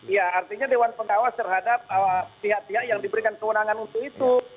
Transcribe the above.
ya artinya dewan pengawas terhadap pihak pihak yang diberikan kewenangan untuk itu